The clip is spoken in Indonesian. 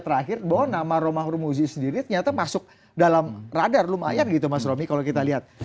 terakhir bahwa nama romahur muzi sendiri ternyata masuk dalam radar lumayan gitu mas romy kalau kita lihat